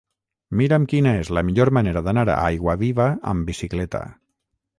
Mira'm quina és la millor manera d'anar a Aiguaviva amb bicicleta.